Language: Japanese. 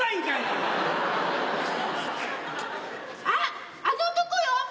あっあの男よ！